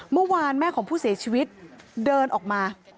เมื่อวานแม่ของผู้เสียชีวิตเดินออกมา